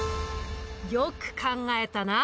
よく考えたな。